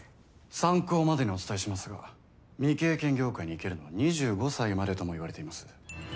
参考までにお伝えしますが未経験業界にいけるのは２５歳までともいわれています。